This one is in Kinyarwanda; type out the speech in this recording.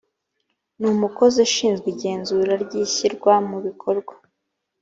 n umukozi ushinzwe igenzura ry ishyirwa mu bikorwa